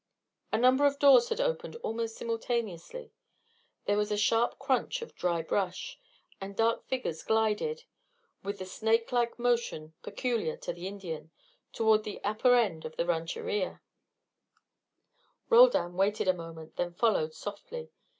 A number of doors had opened almost simultaneously; there was the sharp crunch of dry brush, and dark figures glided, with the snake like motion peculiar to the Indian, toward the upper end of the rancheria. Roldan waited a moment, then followed softly.